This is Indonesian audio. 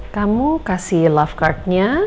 kamu kasih love card nya